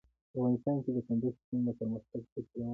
افغانستان کې د کندز سیند د پرمختګ هڅې روانې دي.